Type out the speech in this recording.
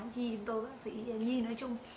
như tôi bác sĩ nhi nói chung